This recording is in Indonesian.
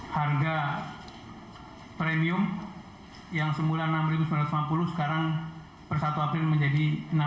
harga premium yang semula enam sembilan ratus lima puluh sekarang per satu april menjadi enam empat ratus lima puluh